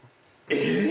えっ！？